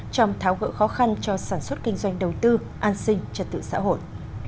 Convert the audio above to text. trong tháo gỡ khó khăn cho sản xuất kinh doanh đầu tư an sinh trật tự xã hội